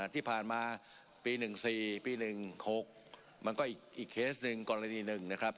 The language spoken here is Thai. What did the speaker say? ที่ผ่านมาปี๑๔ปี๑๖มันก็อีกเคสหนึ่งกรณีหนึ่งนะครับ